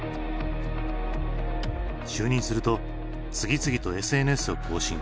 就任すると次々とＳＮＳを更新。